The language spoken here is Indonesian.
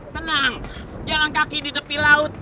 tenang jalan kaki di tepi laut